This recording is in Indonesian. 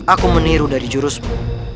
aku meniru dari jurusmu